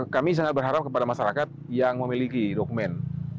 kami sangat berharap kepada masyarakat yang memiliki dokumen